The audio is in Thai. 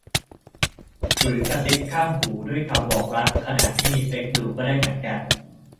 หรือกระซิบข้างหูด้วยคำบอกรักขณะที่มีเซ็กส์ดูก็ได้เหมือนกัน